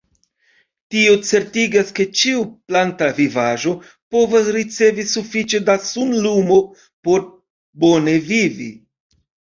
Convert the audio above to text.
Tio certigas, ke ĉiu planta vivaĵo povas ricevi sufiĉe da sunlumo por bone vivi.